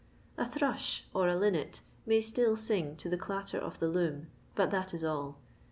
A thrush, or a linnet, may still sing to the chitter of the loom, but that is all.